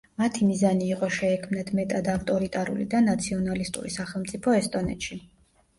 მათი მიზანი იყო შეექმნათ მეტად ავტორიტარული და ნაციონალისტური სახელმწიფო ესტონეთში.